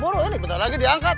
buruh ini bentar lagi diangkat